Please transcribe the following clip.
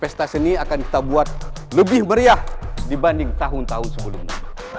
pesta seni akan kita buat lebih meriah dibanding tahun tahun sebelumnya